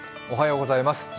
おはようございます。